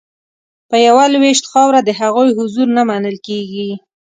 په یوه لوېشت خاوره د هغوی حضور نه منل کیږي